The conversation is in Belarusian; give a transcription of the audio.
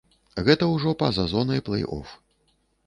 Гэта ўжо па-за зонай плэй-оф.